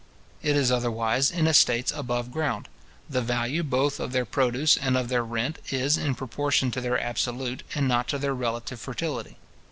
It is otherwise in estates above ground. The value, both of their produce and of their rent, is in proportion to their absolute, and not to their relative fertility.